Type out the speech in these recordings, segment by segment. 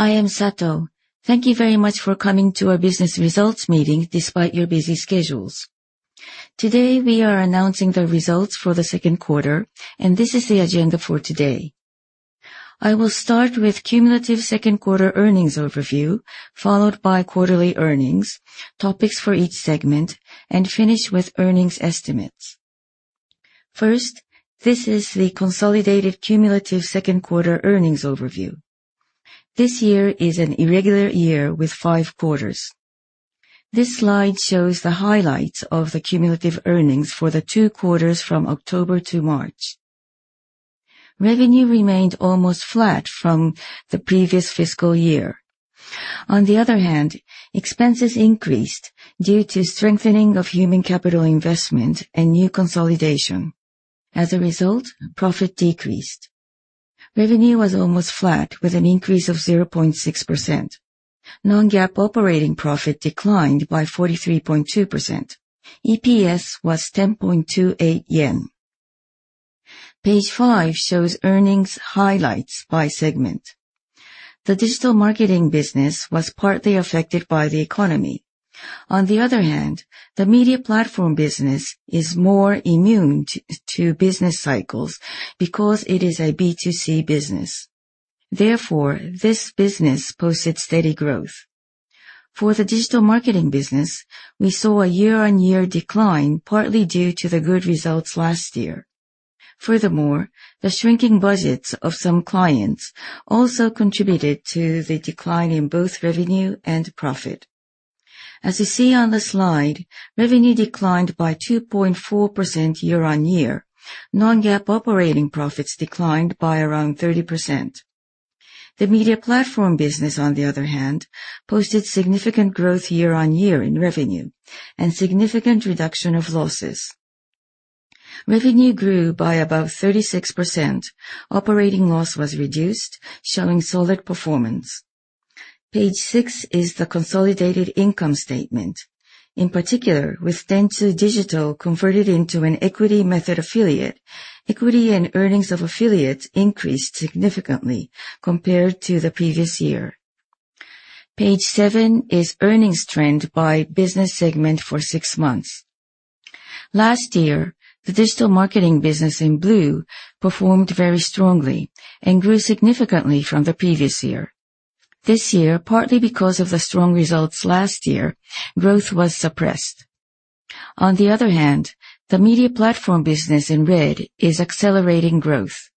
I am Sato. Thank you very much for coming to our business results meeting despite your busy schedules. Today, we are announcing the results for the second quarter, and this is the agenda for today. I will start with cumulative second quarter earnings overview, followed by quarterly earnings, topics for each segment, and finish with earnings estimates. First, this is the consolidated cumulative second quarter earnings overview. This year is an irregular year with five quarters. This slide shows the highlights of the cumulative earnings for the two quarters from October to March. Revenue remained almost flat from the previous fiscal year. On the other hand, expenses increased due to strengthening of human capital investment and new consolidation. As a result, profit decreased. Revenue was almost flat with an increase of 0.6%. Non-GAAP operating profit declined by 43.2%. EPS was 10.28 yen. Page five shows earnings highlights by segment. The digital marketing business was partly affected by the economy. On the other hand, the Media Platform Business is more immune to business cycles because it is a B2C business. Therefore, this business posted steady growth. For the Digital Marketing Business, we saw a year-on-year decline partly due to the good results last year. Furthermore, the shrinking budgets of some clients also contributed to the decline in both revenue and profit. As you see on the slide, revenue declined by 2.4% year-on-year. Non-GAAP operating profits declined by around 30%. The Media Platform Business, on the other hand, posted significant growth year-on-year in revenue and significant reduction of losses. Revenue grew by above 36%. Operating loss was reduced, showing solid performance. Page six is the consolidated income statement. In particular, with Dentsu Digital converted into an equity method affiliate, equity and earnings of affiliates increased significantly compared to the previous year. Page seven is earnings trend by business segment for six months. Last year, the Digital Marketing Business in blue performed very strongly and grew significantly from the previous year. This year, partly because of the strong results last year, growth was suppressed. On the other hand, the Media Platform Business in red is accelerating growth.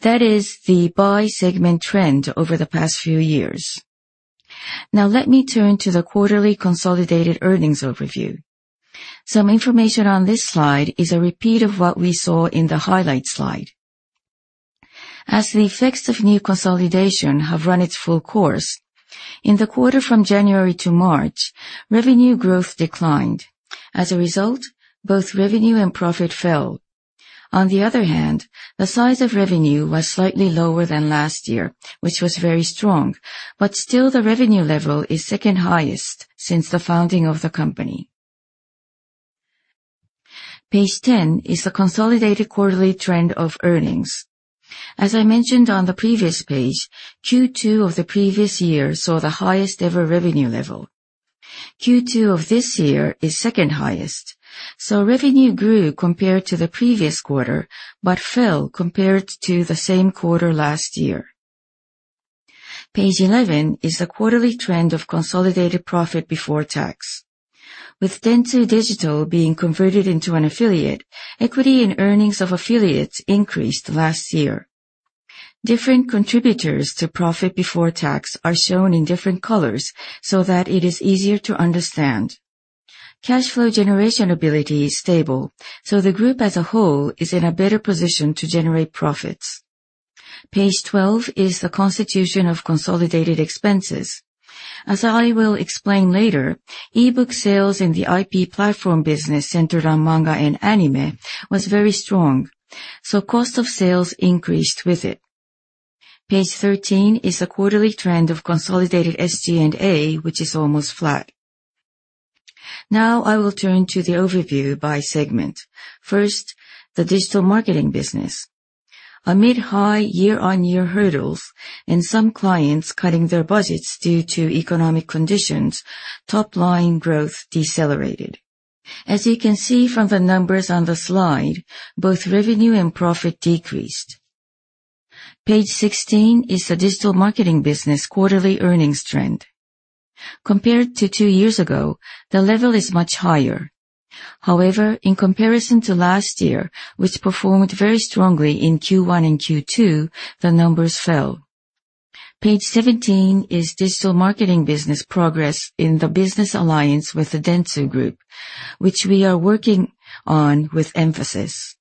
That is the by segment trend over the past few years. Let me turn to the quarterly consolidated earnings overview. Some information on this slide is a repeat of what we saw in the highlight slide. As the effects of new consolidation have run its full course, in the quarter from January to March, revenue growth declined. As a result, both revenue and profit fell. On the other hand, the size of revenue was slightly lower than last year, which was very strong, but still the revenue level is second highest since the founding of the company. Page 10 is the consolidated quarterly trend of earnings. As I mentioned on the previous page, Q2 of the previous year saw the highest ever revenue level. Q2 of this year is second highest. Revenue grew compared to the previous quarter but fell compared to the same quarter last year. Page 11 is the quarterly trend of consolidated profit before tax. With Dentsu Digital being converted into an affiliate, equity and earnings of affiliates increased last year. Different contributors to profit before tax are shown in different colors so that it is easier to understand. Cash flow generation ability is stable, the group as a whole is in a better position to generate profits. Page 12 is the constitution of consolidated expenses. As I will explain later, e-book sales in the IP Platform Business centered on manga and anime was very strong, cost of sales increased with it. Page 13 is a quarterly trend of consolidated SG&A, which is almost flat. I will turn to the overview by segment. First, the Digital Marketing Business. Amid high year-on-year hurdles and some clients cutting their budgets due to economic conditions, top line growth decelerated. As you can see from the numbers on the slide, both revenue and profit decreased. Page 16 is the Digital Marketing Business quarterly earnings trend. Compared to two years ago, the level is much higher. In comparison to last year, which performed very strongly in Q1 and Q2, the numbers fell. Page 17 is Digital Marketing Business progress in the business alliance with the Dentsu Group, which we are working on with emphasis.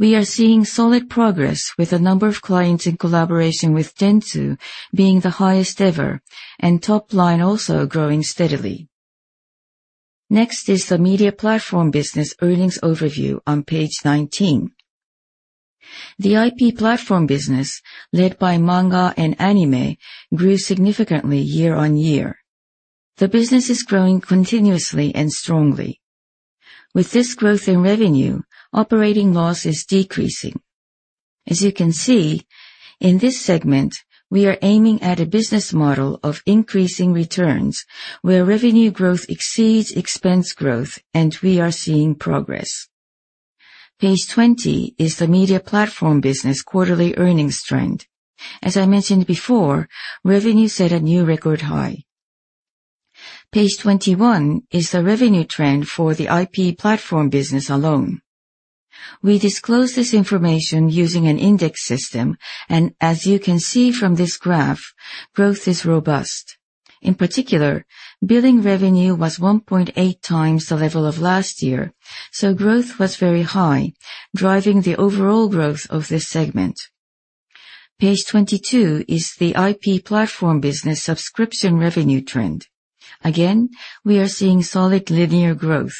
We are seeing solid progress with the number of clients in collaboration with Dentsu being the highest ever and top line also growing steadily. Next is the Media Platform Business earnings overview on page 19. The IP Platform Business led by manga and anime grew significantly year on year. The business is growing continuously and strongly. With this growth in revenue, operating loss is decreasing. As you can see, in this segment, we are aiming at a business model of increasing returns, where revenue growth exceeds expense growth, and we are seeing progress. Page 20 is the Media Platform Business quarterly earnings trend. As I mentioned before, revenue set a new record high. Page 21 is the revenue trend for the IP Platform Business alone. We disclose this information using an index system, and as you can see from this graph, growth is robust. In particular, billing revenue was 1.8x the level of last year, so growth was very high, driving the overall growth of this segment. Page 22 is the IP Platform Business subscription revenue trend. Again, we are seeing solid linear growth.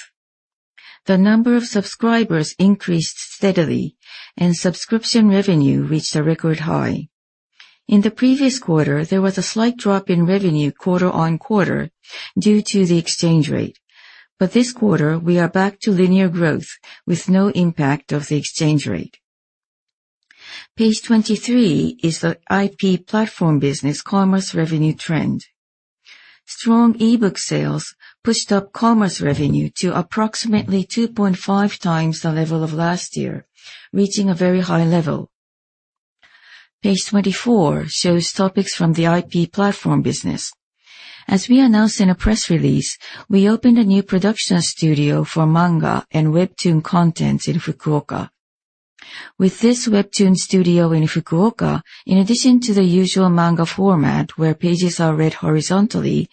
The number of subscribers increased steadily, and subscription revenue reached a record high. In the previous quarter, there was a slight drop in revenue quarter-on-quarter due to the exchange rate. This quarter, we are back to linear growth with no impact of the exchange rate. Page 23 is the IP Platform Business commerce revenue trend. Strong e-book sales pushed up commerce revenue to approximately 2.5x the level of last year, reaching a very high level. Page 24 shows topics from the IP Platform Business. As we announced in a press release, we opened a new production studio for manga and webtoon content in Fukuoka. With this webtoon studio in Fukuoka, in addition to the usual manga format, where pages are read horizontally,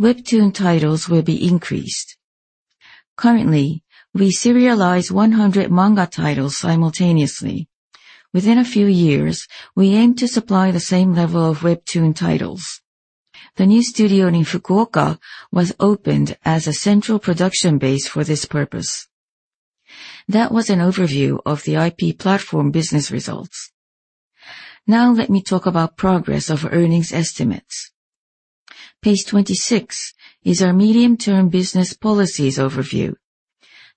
webtoon titles will be increased. Currently, we serialize 100 manga titles simultaneously. Within a few years, we aim to supply the same level of webtoon titles. The new studio in Fukuoka was opened as a central production base for this purpose. That was an overview of the IP Platform Business results. Now let me talk about progress of earnings estimates. Page 26 is our medium-term business policies overview.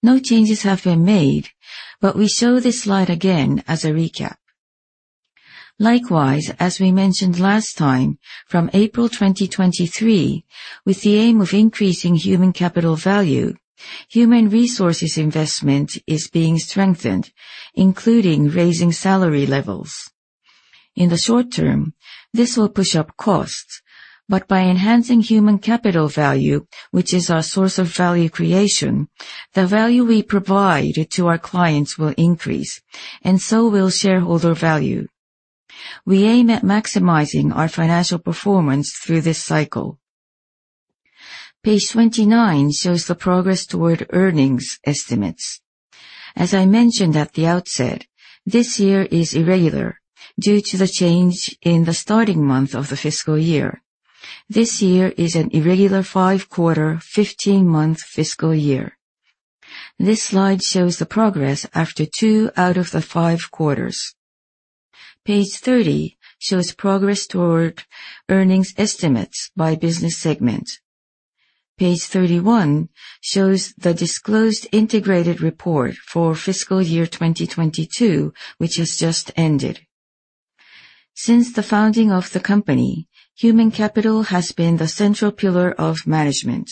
No changes have been made, but we show this slide again as a recap. Likewise, as we mentioned last time, from April 2023, with the aim of increasing human capital value, human resources investment is being strengthened, including raising salary levels. In the short term, this will push up costs, but by enhancing human capital value, which is our source of value creation, the value we provide to our clients will increase, and so will shareholder value. We aim at maximizing our financial performance through this cycle. Page 29 shows the progress toward earnings estimates. As I mentioned at the outset, this year is irregular due to the change in the starting month of the fiscal year. This year is an irregular five-quarter, 15-month fiscal year. This slide shows the progress after two out of the five quarters. Page 30 shows progress toward earnings estimates by business segment. Page 31 shows the disclosed integrated report for fiscal year 2022, which has just ended. Since the founding of the company, human capital has been the central pillar of management.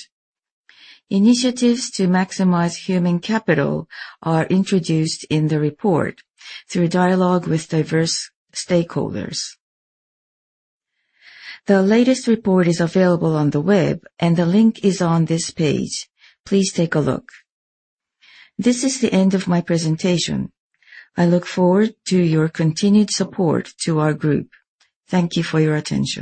Initiatives to maximize human capital are introduced in the report through dialogue with diverse stakeholders. The latest report is available on the web, and the link is on this page. Please take a look. This is the end of my presentation. I look forward to your continued support to our group. Thank you for your attention.